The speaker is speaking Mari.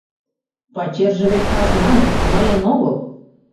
— Пачерже вет казнан, мыйын огыл.